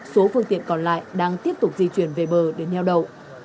số phương tiện còn lại đang tiếp tục di chuyển về bờ để nheo đậu